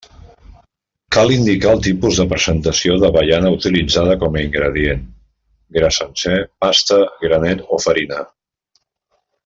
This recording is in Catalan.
Cal indicar el tipus de presentació d'avellana utilitzada com a ingredient: gra sencer, pasta, granet o farina.